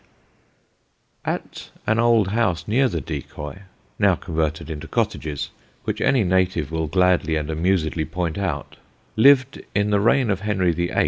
[Sidenote: THE PALMER TRIPLETS] At an old house near the Decoy (now converted into cottages), which any native will gladly and amusedly point out, lived, in the reign of Henry VIII.